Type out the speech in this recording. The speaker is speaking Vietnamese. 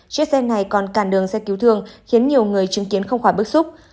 chiếc xe này còn cản đường xe cứu thương khiến nhiều người chứng kiến không khỏi bức xúc